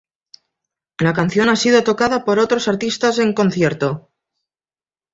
La canción ha sido tocada por otros artistas en concierto.